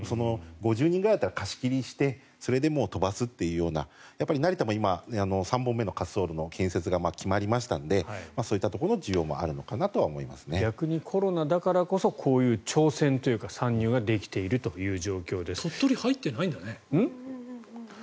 ５０人くらいなら貸し切りにして飛ばすという成田も今３本目の滑走路の建設が決まりましたのでそういったところの需要も逆にコロナだからこそこういう挑戦というか参入ができているという鳥取入ってないんだね。